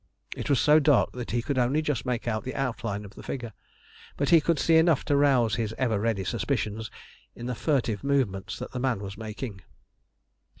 It was so dark that he could only just make out the outline of the figure, but he could see enough to rouse his ever ready suspicions in the furtive movements that the man was making.